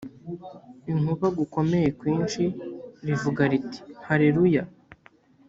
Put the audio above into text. inkuba gukomeye kwinshi rivuga riti haleluya